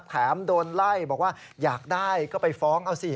แถมโดนไล่บอกว่าอยากได้ก็ไปฟ้องเอาสิ